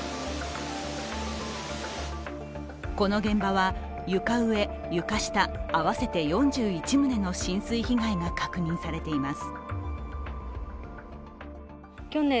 この現場は、床上・床下合わせて４１棟の浸水被害が確認されています。